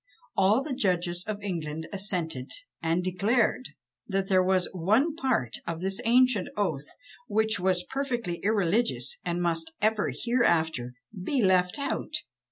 All the judges of England assented, and declared, that there was one part of this ancient oath which was perfectly irreligious, and must ever hereafter be left out!